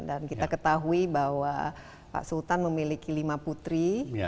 dan kita ketahui bahwa pak sultan memiliki lima putri